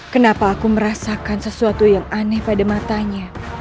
kenapa aku merasakan sesuatu yang aneh pada matanya